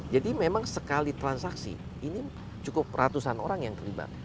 jadi memang sekali transaksi ini cukup ratusan orang yang terlibat